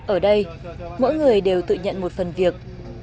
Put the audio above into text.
ở đây mỗi người đều tự nhận một phần việc